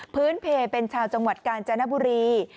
เพลเป็นชาวจังหวัดกาญจนบุรี